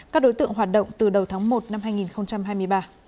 các đối tượng hoạt động từ đầu tháng một năm hai nghìn hai mươi ba